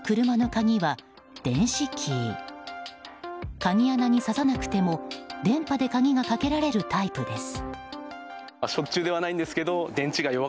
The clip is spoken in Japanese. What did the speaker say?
鍵穴に挿さなくても電波で鍵がかけられるタイプです。